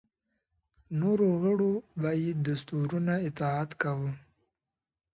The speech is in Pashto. نورو غړو به یې دستورونو اطاعت کاوه.